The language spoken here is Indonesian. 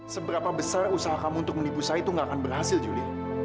seberapa besar usaha kamu untuk menibu saya itu gak akan berhasil juli